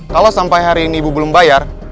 kalau sampai hari ini ibu belum bayar